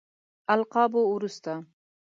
القابو وروسته.